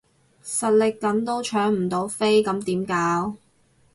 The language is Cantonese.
實力緊都搶唔到飛咁點搞？